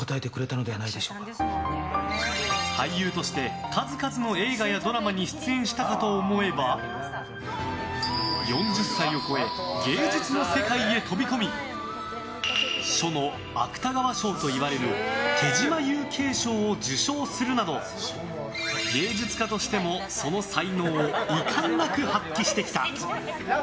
俳優として数々の映画やドラマに出演したかと思えば４０歳を超え芸術の世界へ飛び込み書の芥川賞といわれる手島右卿賞を受賞するなど芸術家としてもその才能を遺憾なく発揮してきた。